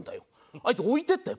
あいつ置いてったよ。